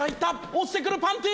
落ちてくるパンティ！